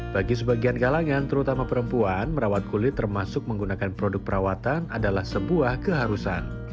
bagi sebagian kalangan terutama perempuan merawat kulit termasuk menggunakan produk perawatan adalah sebuah keharusan